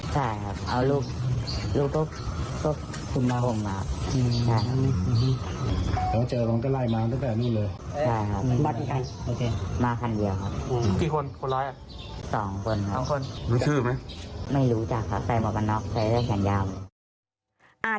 ไม่รู้จักค่ะใครหมวกกันน็อกใครได้แข่งยาว